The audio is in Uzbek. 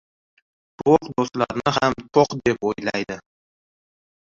• To‘q do‘stlarini ham to‘q deb o‘ylaydi.